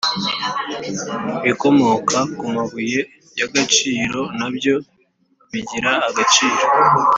ibikomoka ku mabuye y agaciro nabyo bigira agaciro